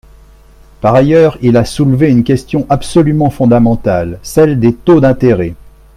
Par ailleurs, il a soulevé une question absolument fondamentale, celle des taux d’intérêt.